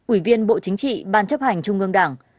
ủy viên bộ chính trị ban chấp hành trung ương đảng